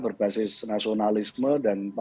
berbasis nasionalisme dan